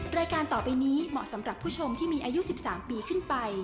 รายการต่อไปนี้เหมาะสำหรับผู้ชมที่มีอายุ๑๓ปีขึ้นไป